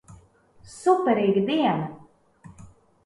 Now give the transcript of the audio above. Superīga diena!